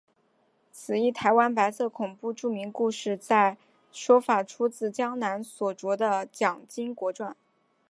此一台湾白色恐怖著名案件的说法出自江南所着的蒋经国传。